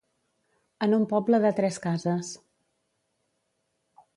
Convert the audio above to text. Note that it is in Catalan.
En un poble de tres cases.